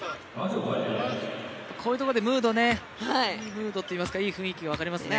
こういうところでいいムード、いい雰囲気分かりますね。